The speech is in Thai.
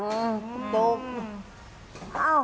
ขนาดโจ๊กหลัง